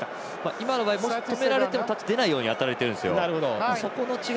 今の場合、止められてもタッチ出ないように当たられてるんですよ。